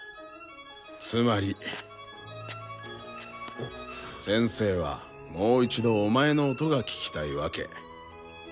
つまり先生はもう一度お前の音が聴きたいわけ。